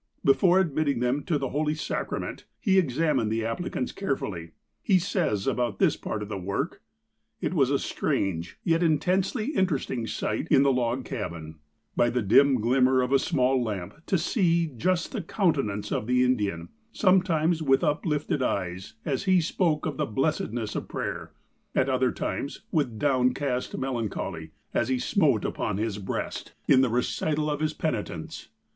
Before admitting them to the holy sacrament, he ex amined the applicants carefully. He says about this part of the work : "It was a strange, yet intensely interesting sight in the log cabin, by the dim glimmer of a small lamp, to see just the countenance of the Indian, sometimes with uplifted eyes, as he spoke of the blessedness of prayer, — at other times with down cast melancholy, as he smote upon his breast in the recital of 170 THE APOSTLE OF ALASKA his penitence.